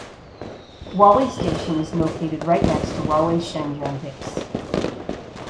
Huawei station is located right next to Huawei Shenzhen Base.